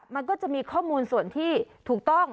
มันก็จะมีข้อมูลส่วนที่ถูกต้อง